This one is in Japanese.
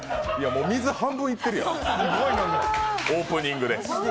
もう半分いってるやん、オープニングで。